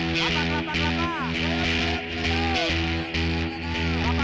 lapa kelapa kelapa